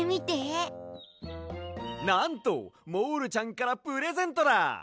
なんとモールちゃんからプレゼントだ！